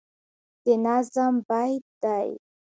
د نظم بیت دی